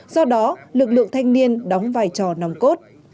do đó lực lượng thanh niên đóng vai trò nòng cốt